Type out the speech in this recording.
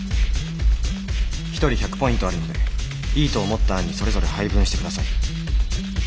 一人１００ポイントあるのでいいと思った案にそれぞれ配分してください。